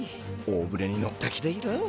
大船に乗った気でいろ。